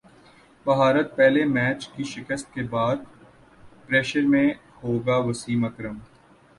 بھارت پہلے میچ کی شکست کے بعد پریشر میں ہوگاوسیم اکرم